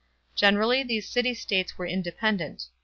Generally these city states were independent.